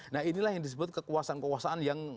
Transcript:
nah inilah yang disebut kekuasaan kekuasaan yang